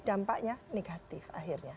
dampaknya negatif akhirnya